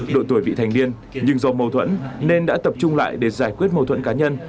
đội tuổi bị thành điên nhưng do mâu thuẫn nên đã tập trung lại để giải quyết mâu thuẫn cá nhân